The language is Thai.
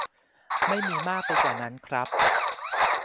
ไม่มีมากไปกว่านั้น ครับ